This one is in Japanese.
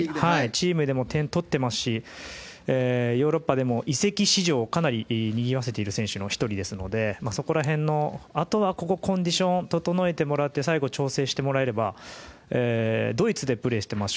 チームでも点を取っていますしヨーロッパでも移籍市場かなりにぎわせている選手の１人ですのであとはコンディションを整えてもらって調整してもらえればドイツでプレーをしています